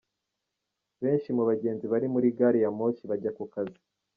Benshi mu bagenzi bari muri gari ya moshi bajya ku kazi.